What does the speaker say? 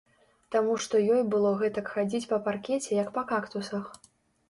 Таму што ёй было гэтак хадзіць па паркеце, як па кактусах.